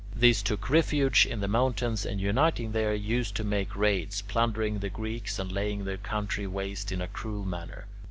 These took refuge in the mountains, and, uniting there, used to make raids, plundering the Greeks and laying their country waste in a cruel manner.